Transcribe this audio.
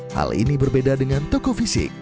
hal ini berbeda dengan toko fisik